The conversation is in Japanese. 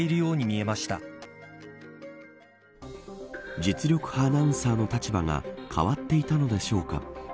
実力派アナウンサーの立場が変わっていたのでしょうか。